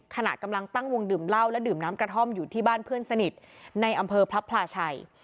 ขณะกำลังตั้งวงดื่มเหล้าและดื่มน้ำกระท่อมอยู่ที่บ้านเพื่อนสนิทในอำเภอพระพลาชัย